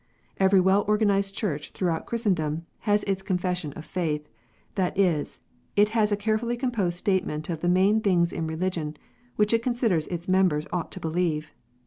Every well organized Church throughout Christendom has its Confession of faith : that is, it has a carefully composed statement of the main things in religion which it considers its members ought to believe.